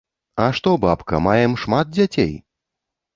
А што, бабка, маем шмат дзяцей?